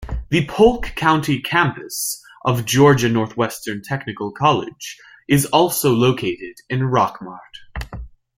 The Polk County campus of Georgia Northwestern Technical College is also located in Rockmart.